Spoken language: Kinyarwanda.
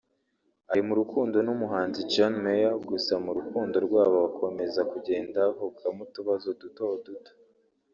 ari mu rukundo n’umuhanzi John Mayor gusa mu rukundo rwabo hakomeza kugenda havukamo utubazo duto duto